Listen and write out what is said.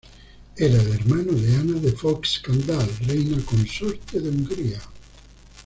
Era el hermano de Ana de Foix-Candale, reina consorte de Hungría.